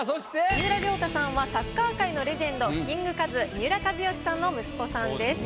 三浦太さんはサレジェンドキングカズ三浦知良さんの息子さんです。